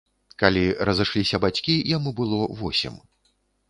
Калі разышліся бацькі, яму было восем.